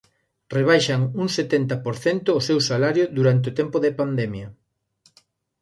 Rebaixan un setenta por cento o seu salario durante o tempo de pandemia.